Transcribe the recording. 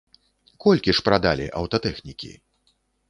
Колькі ж прадалі аўтатэхнікі?